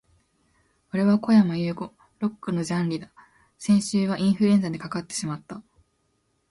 俺はこやまゆうご。Lock のジャンリだ。先週はインフルエンザにかかってしまった、、、